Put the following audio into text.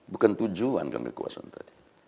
bukan tujuan kan kekuasaan tadi